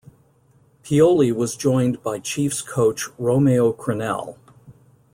Pioli was joined by Chiefs coach Romeo Crennel.